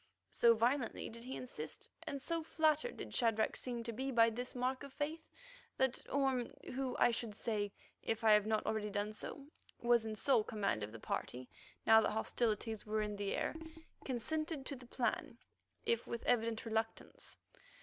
So violently did he insist, and so flattered did Shadrach seem to be by this mark of faith, that Orme, who, I should say, if I have not already done so, was in sole command of the party now that hostilities were in the air, consented to the plan, if with evident reluctance.